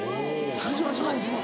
３８万もすんの。